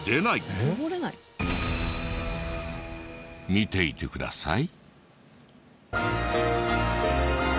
見ていてください。